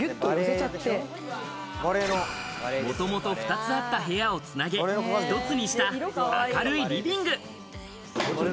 もともと２つあった部屋をつなげ、一つにした明るいリビング。